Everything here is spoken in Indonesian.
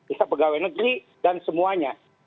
kita pegawai negeri dan semuanya